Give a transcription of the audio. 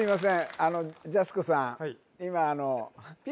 あのジャスコさん